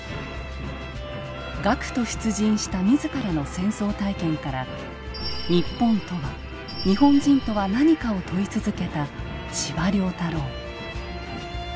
学徒出陣した自らの戦争体験から日本とは日本人とは何かを問い続けた司馬太郎。